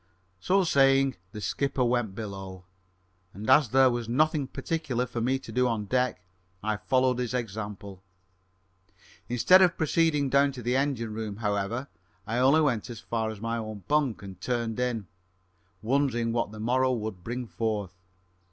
So saying, the skipper went below, and, as there was nothing particular for me to do on deck, I followed his example. Instead of proceeding down to the engine room, however, I only went as far as my bunk and turned in, wondering what the morrow would bring forth.